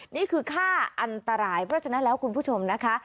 นี่คือฆ่าอันตรายเพราะฉะนั้นแล้วคุณผู้ชมนะคะ